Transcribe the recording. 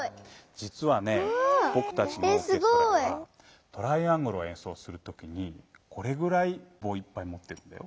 じつはねぼくたちのオーケストラではトライアングルをえんそうする時にこれくらいぼういっぱいもっていくんだよ。